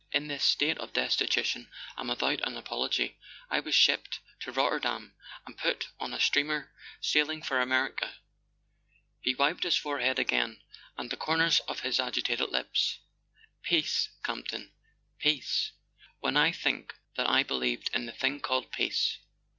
In this state of destitution, and without an apology, I was shipped to Rotterdam and put on a steamer sailing for America." He wiped his forehead again, [ HO] A SON AT THE FRONT and the corners of his agitated lips. "Peace, Campton —Peace ? When I think that I believed in a thing called Peace!